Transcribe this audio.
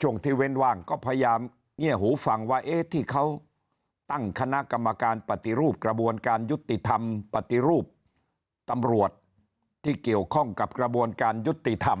ช่วงที่เว้นว่างก็พยายามเงียบหูฟังว่าที่เขาตั้งคณะกรรมการปฏิรูปกระบวนการยุติธรรมปฏิรูปตำรวจที่เกี่ยวข้องกับกระบวนการยุติธรรม